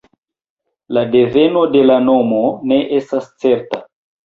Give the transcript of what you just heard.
La deveno de la nomo ne estas certa.